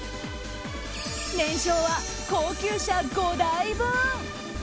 年商は高級車５台分。